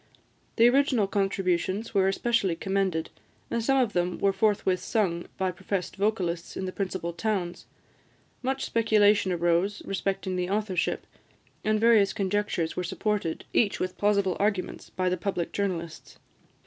The original contributions were especially commended, and some of them were forthwith sung by professed vocalists in the principal towns. Much speculation arose respecting the authorship, and various conjectures were supported, each with plausible arguments, by the public journalists.